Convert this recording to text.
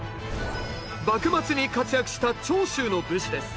幕末に活躍した長州の武士です。